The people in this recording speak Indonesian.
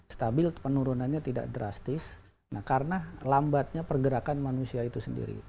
stabil penurunannya tidak drastis karena lambatnya pergerakan manusia itu sendiri